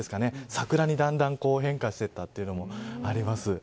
桜にだんだん変化していったというのもあります。